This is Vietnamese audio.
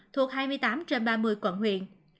thuộc hai mươi tám trên ba mươi quận huyện